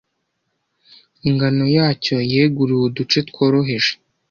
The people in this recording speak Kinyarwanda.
ingano yacyo yeguriwe uduce tworoheje